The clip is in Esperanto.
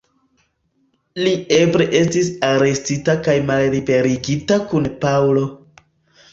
Li eble estis arestita kaj malliberigita kun Paŭlo.